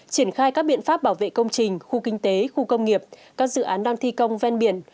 triển khai các biện pháp bảo vệ công trình khu kinh tế khu công nghiệp các dự án đang thi công ven biển